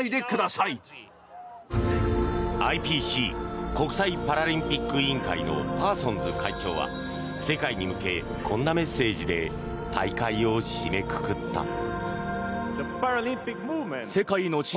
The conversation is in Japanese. ＩＰＣ・国際パラリンピック委員会のパーソンズ会長は世界に向け、こんなメッセージで大会を締めくくった。